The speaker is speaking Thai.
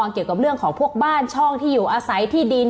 เกี่ยวกับเรื่องของพวกบ้านช่องที่อยู่อาศัยที่ดิน